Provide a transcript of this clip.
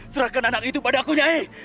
serahkan anak itu pada aku nyi